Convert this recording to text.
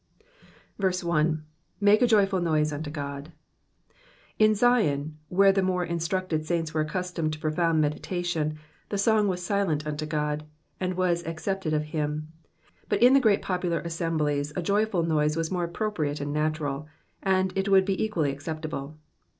1. ^^Mahe a joyful noise unto Ood.^^ *' In Zion/* where the more instructed saints were accustomed to profound meditation, the song was silent unto God, and was accepted of him ; but in the great popular assemblies a joyful noise was more appropriate and natural, and it would be equally acceptable.